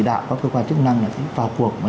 đạo các cơ quan chức năng vào cuộc mà